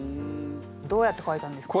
どうやって書いたんですか？